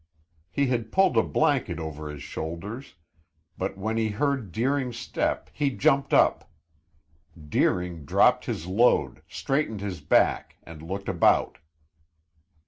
He had pulled a blanket over his shoulders, but when he heard Deering's step he jumped up. Deering dropped his load, straightened his back and looked about.